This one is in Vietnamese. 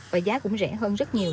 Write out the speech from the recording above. và giá cũng rẻ hơn rất nhiều